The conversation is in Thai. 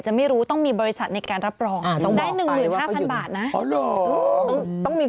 อยากสิว่าคนมุกไปทะเลกันเต็ม